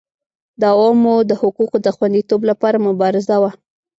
د عوامو د حقوقو د خوندیتوب لپاره مبارزه وه.